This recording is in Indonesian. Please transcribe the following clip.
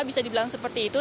bisa dibilang seperti itu